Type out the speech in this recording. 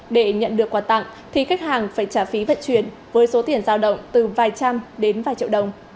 để nhận được quà tặng thì khách hàng phải trả phí vận chuyển với số tiền giao động từ vài trăm đến vài triệu đồng